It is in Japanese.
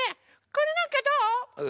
これなんかどう？